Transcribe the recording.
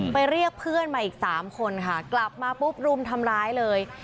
เรียกเพื่อนมาอีก๓คนค่ะกลับมาปุ๊บรุมทำร้ายเลย